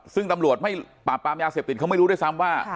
ซึ่งตำรวจไม่ปราบปรามยาเสพติดเขาไม่รู้ด้วยซ้ำว่า